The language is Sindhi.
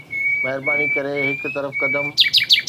مهرباني ڪري هڪ طرف قدم